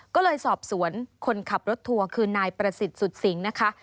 ก็เลยสอบสวนคนขับรถทัวร์คือนายประสิทธิ์สุดสิงนะคะ